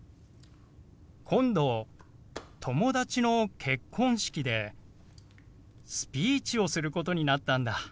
「今度友達の結婚式でスピーチをすることになったんだ」。